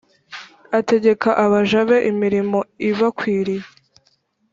agategeka abaja be imirimo ibakwiriye